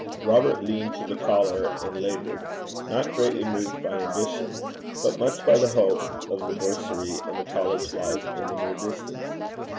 Robert leaned to the collar and laboured, not greatly moved by ambition, but much by the hope of the bursary and the college life in the near distance.